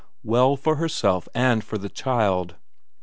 Well for herself and for the child.